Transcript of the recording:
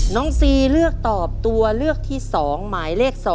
ซีเลือกตอบตัวเลือกที่๒หมายเลข๒